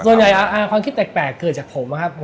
จริงอาหารคอนเซ็ปต์เราจะเน้นเป็นอาหารทานเล่นง่ายครับผม